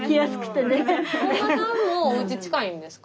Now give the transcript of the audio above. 本間さんもおうち近いんですか？